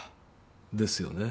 ですよね？